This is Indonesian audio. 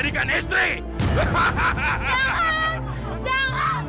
tidak register mendaftar kapalnya